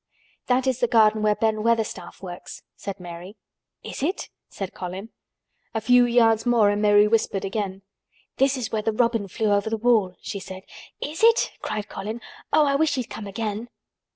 "That is the garden where Ben Weatherstaff works," said Mary. "Is it?" said Colin. A few yards more and Mary whispered again. "This is where the robin flew over the wall," she said. "Is it?" cried Colin. "Oh! I wish he'd come again!"